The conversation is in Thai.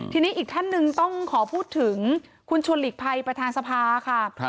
ทีนี้อีกท่านหนึ่งต้องขอพูดถึงคุณชวนหลีกภัยประธานสภาค่ะ